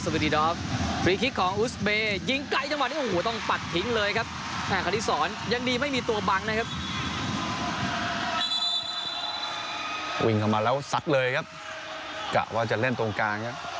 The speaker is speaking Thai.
วิ่งเข้ามาแล้วซักเลยครับกะว่าจะเล่นตรงกลางครับ